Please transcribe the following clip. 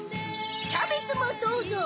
キャベツもどうぞ！